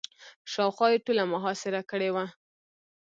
شاوخوا یې ټوله محاصره کړې وه.